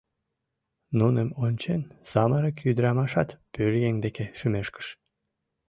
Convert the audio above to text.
Нуным ончен, самырык ӱдырамашат пӧръеҥ деке шӱмешкыш.